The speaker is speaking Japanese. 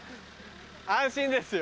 安心ですよ。